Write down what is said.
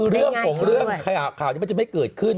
เรื่องของเรื่องข่าวนี้มันจะไม่เกิดขึ้น